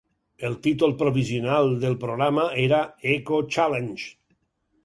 El títol provisional del programa era "Eco-Challenge".